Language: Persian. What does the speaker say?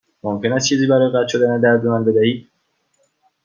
ممکن است چیزی برای قطع شدن درد به من بدهید؟